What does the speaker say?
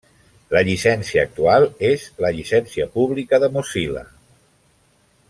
La llicència actual és la Llicencia Pública de Mozilla.